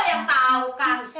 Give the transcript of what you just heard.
lo yang tau kan